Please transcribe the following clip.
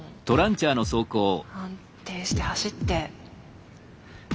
安定して走って。